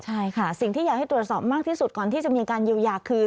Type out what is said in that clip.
ใช่ค่ะสิ่งที่อยากให้ตรวจสอบมากที่สุดก่อนที่จะมีการเยียวยาคือ